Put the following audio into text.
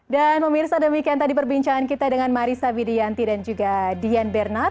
dan pemirsa demikian tadi perbincangan kita dengan marisa widianti dan juga dian bernal